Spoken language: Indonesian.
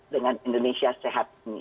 dengan indonesia sehat